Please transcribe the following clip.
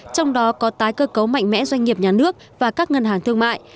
trong đó có tái cơ cấu mạnh mẽ doanh nghiệp nhà nước và các ngân hàng thương mại